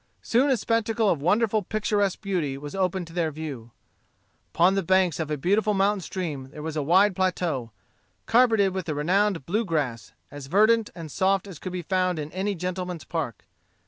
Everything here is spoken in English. Soon a spectacle of wonderful picturesque beauty was opened to their view. Upon the banks of a beautiful mountain stream there was a wide plateau, carpeted with the renowned blue grass, as verdant and soft as could be found in any gentleman's park.